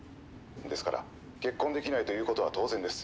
ですから結婚できないということは当然です。